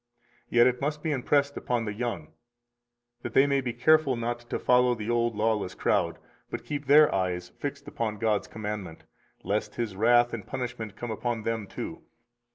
Yet it must be impressed upon the young that they may be careful not to follow the old lawless crowd, but keep their eyes fixed upon God's commandment, lest His wrath and punishment come upon them too.